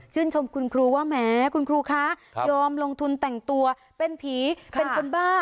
ชมคุณครูว่าแหมคุณครูคะยอมลงทุนแต่งตัวเป็นผีเป็นคนบ้า